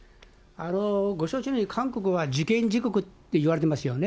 ご承知のように、韓国は受験地獄って言われてますよね。